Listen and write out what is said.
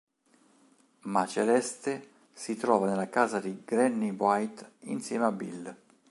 Ma Celeste si trova nella casa di Granny White insieme a Bill.